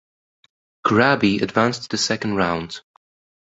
Korabi advanced to the second round.